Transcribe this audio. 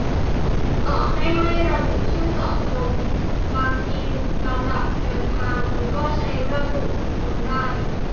- ต่อให้ไม่ระบุชื่อเจาะจง บางทีลำดับเดินทางมันก็ใช้ระบุบุคคลได้